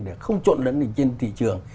để không trộn lẫn lên trên thị trường